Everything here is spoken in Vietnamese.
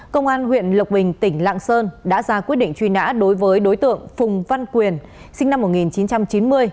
công an huyện lộc bình tỉnh lạng sơn đã ra quyết định truy nã đối với đối tượng phùng văn quyền sinh năm một nghìn chín trăm chín mươi